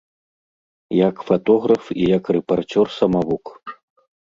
Як фатограф і як рэпарцёр самавук.